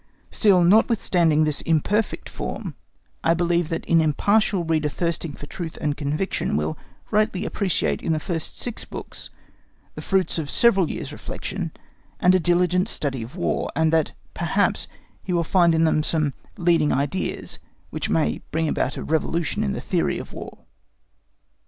Still, notwithstanding this imperfect form, I believe that an impartial reader thirsting for truth and conviction will rightly appreciate in the first six books the fruits of several years' reflection and a diligent study of War, and that, perhaps, he will find in them some leading ideas which may bring about a revolution in the theory of War.